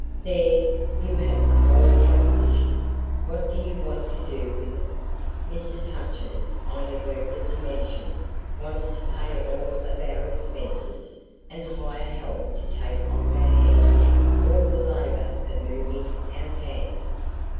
There, you have the whole proposition. What do you want to do with it? Mrs. Hutchins, I neglected to mention, wants to pay all of our expenses and hire help to take off our hands all the labor of moving our camp."